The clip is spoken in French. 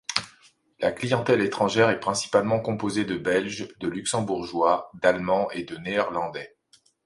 La clientèle étrangère est principalement composée de Belges, de Luxembourgeois, d'Allemands et de Néerlandais.